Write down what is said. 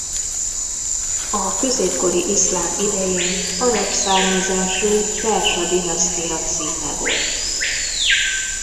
A középkori iszlám idején arab származású perzsa dinasztia címe volt.